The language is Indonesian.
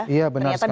iya benar sekali